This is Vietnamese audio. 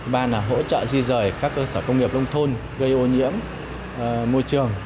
ba là hỗ trợ di rời các cơ sở công nghiệp nông thôn gây ô nhiễm môi trường